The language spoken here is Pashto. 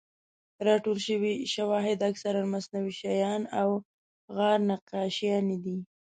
راټول شوي شواهد اکثراً مصنوعي شیان او غار نقاشیانې دي.